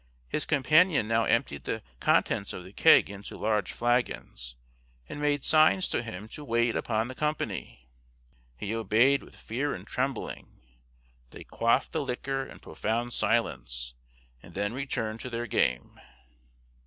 His companion now emptied the contents of the keg into large flagons, and made signs to him to wait upon the company. He obeyed with fear and trembling; they quaffed the liquor in profound silence, and then returned to their game.